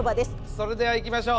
それではいきましょう。